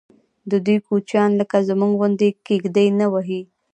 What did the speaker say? ددوی کوچیان لکه زموږ غوندې کېږدۍ نه وهي.